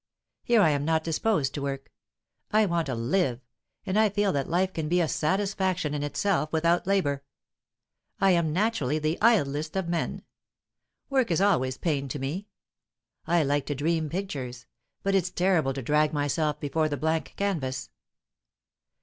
Here I am not disposed to work. I want to live, and I feel that life can be a satisfaction in itself without labour. I am naturally the idlest of men. Work is always pain to me. I like to dream pictures; but it's terrible to drag myself before the blank canvas."